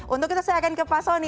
untuk itu saya akan ke pak soni